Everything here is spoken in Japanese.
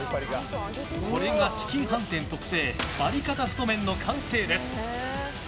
これが紫金飯店特製バリカタ太麺の完成です。